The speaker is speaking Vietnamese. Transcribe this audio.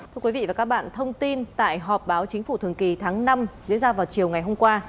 thưa quý vị và các bạn thông tin tại họp báo chính phủ thường kỳ tháng năm diễn ra vào chiều ngày hôm qua